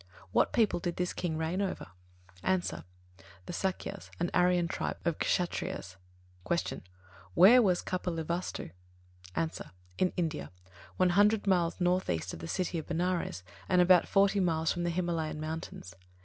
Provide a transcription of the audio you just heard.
What people did this King reign over? A. The Sākyas; an Aryan tribe of Kshattriyas. 17. Q. Where was Kapilavāstu? A. In India, one hundred miles north east of the City of Benares, and about forty miles from the Himalaya mountains.